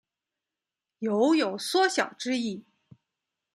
酉有缩小之意。